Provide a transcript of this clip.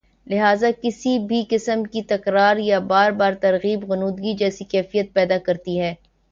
لہذا کسی بھی قسم کی تکرار یا بار بار ترغیب غنودگی جیسی کیفیت پیدا کرتی ہے